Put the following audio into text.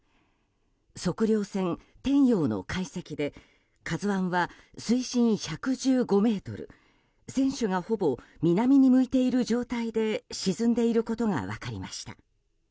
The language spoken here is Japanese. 測量船「天洋」の解析で「ＫＡＺＵ１」は水深１１５ｍ船首がほぼ南に向いている状態で沈んでいることが分かりました。